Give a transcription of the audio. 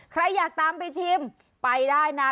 ใครอยากตามไปชิมไปได้นะ